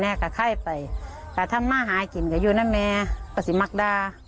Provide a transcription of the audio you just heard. แล้วก็ก็บอกให้กินยาอ่องิแย่ด้อ